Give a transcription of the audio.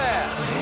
え？